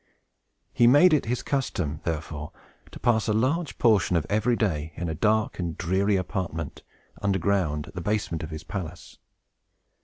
He made it his custom, therefore, to pass a large portion of every day in a dark and dreary apartment, under ground, at the basement of his palace.